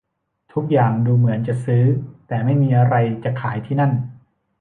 ทุกอย่างดูเหมือนจะซื้อและไม่มีอะไรจะขายที่นั่น